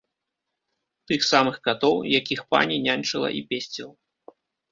Тых самых катоў, якіх пані няньчыла і песціла.